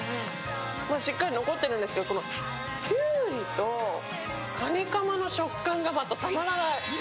しっかり残ってるんですけどこのキュウリとカニかまの食感がまた、たまらない。